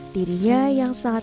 dirinya yang saat itu